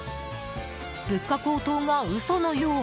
物価高騰が嘘のよう？